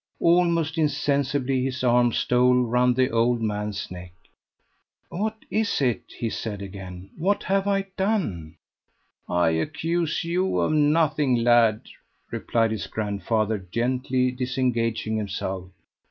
Almost insensibly his arm stole round the old man's neck. "What is it?" he said again. "What have I done?" "I accuse you of nothing, lad," replied his grandfather, gently disengaging himself.